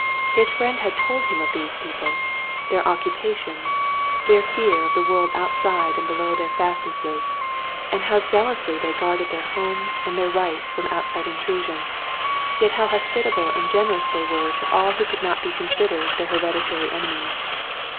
His friend had told him of these people, — their occupa tions, their fear of the world outside and below their fast nesses, and how zealously they guarded their homes and their rights from outside intrusion, yet how hospitable and generous they were to all who could not be considered their hereditary enemies.